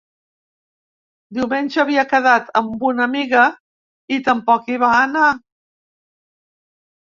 Diumenge havia quedat amb una amiga i tampoc hi va anar.